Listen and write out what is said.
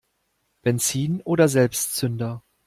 Benzin oder Selbstzünder?